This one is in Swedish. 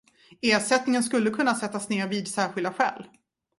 Ersättningen skulle kunna sättas ner vid särskilda skäl.